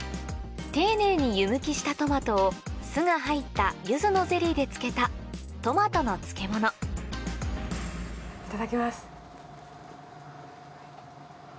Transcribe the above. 丁寧に湯むきしたトマトを酢が入った柚子のゼリーで漬けたトマトの漬物いただきます。